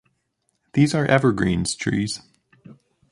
These are evergreens trees.